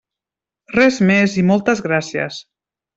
Res més i moltes gràcies.